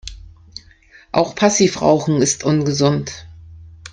Auch Passivrauchen ist ungesund.